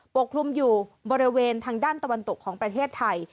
กลุ่มอยู่บริเวณทางด้านตะวันตกของประเทศไทย